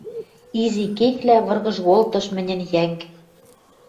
Изи кекла выргыж колтыш мӹньӹн йӓнг.